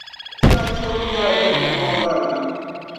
Chiha chihibu nyɛla dim bi kɔŋ barina.